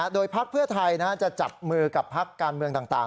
โดยพักเพื่อไทยจะจับมือกับพักการเมืองต่าง